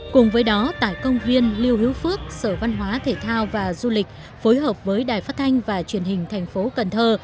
cùng với đó tại công viên lưu hữu phước sở văn hóa thể thao và du lịch phối hợp với đài phát thanh và truyền hình thành phố cần thơ